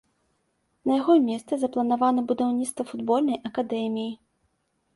На яго месцы запланавана будаўніцтва футбольнай акадэміі.